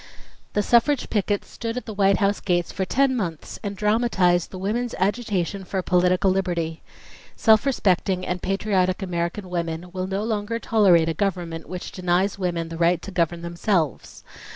"The suffrage pickets stood at the White House gates for ten months and dramatized the women's agitation for political liberty. Self respecting and patriotic American women will no longer tolerate a government which denies women the right to govern themselves.